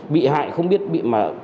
bị hại không biết bị mà